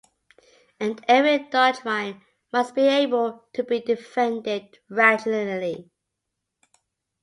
And every doctrine must be able to be defended rationally.